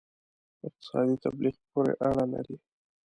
په اقتصادي تبلیغ پورې اړه لري.